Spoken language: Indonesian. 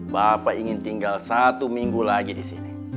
bapak ingin tinggal satu minggu lagi di sini